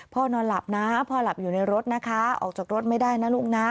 พ่อนอนหลับนะพ่อหลับอยู่ในรถนะคะออกจากรถไม่ได้นะลูกนะ